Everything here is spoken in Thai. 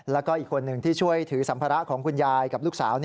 แล้วก็อีกคนหนึ่งที่ช่วยถือสัมภาระของคุณยายกับลูกสาว